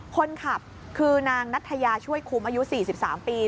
คนขับคือนางนัทยาช่วยคุ้มอายุ๔๓ปี